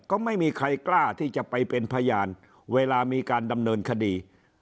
ก็ไม่มีใครกล้าที่จะไปเป็นพยานเวลามีการดำเนินคดี